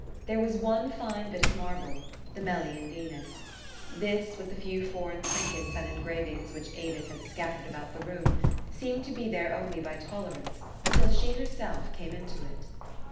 There was one fine bit of marble, the Melian Venus. This, with the few foreign trinkets and engravings which Avis had scattered THE STORY OF AVIS. 29 about the room, seemed to be there only by tolerance, till she herself came into it.